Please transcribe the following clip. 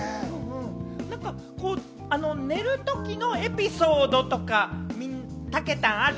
寝る時のエピソードとか、たけたん、ある？